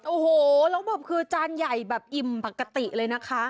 โอ้โหแล้วแบบคือจานใหญ่แบบอิ่มปกติเลยนะคะ